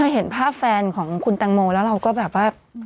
เห็นภาพแฟนของคุณตังโมแล้วเราก็แบบว่า